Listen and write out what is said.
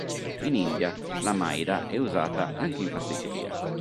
In India la maida è usata anche in pasticceria.